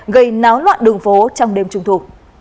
gây náo loạn đường phố trong đêm trung thu